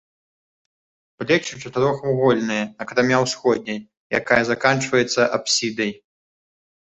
Плечы чатырохвугольныя, акрамя ўсходняй, якая заканчваецца апсідай.